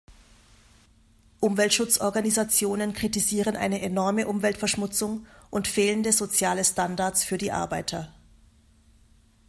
Umweltschutzorganisationen kritisieren eine enorme Umweltverschmutzung und fehlende soziale Standards für die Arbeiter.